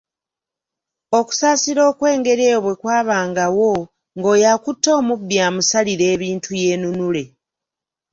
"Okusaasira okw’engeri eyo bwe kwabangawo, ng’oyo akutte omubbi amusalira ebintu yeenunule."